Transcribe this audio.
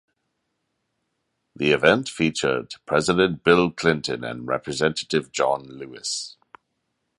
The event featured President Bill Clinton and Representative John Lewis.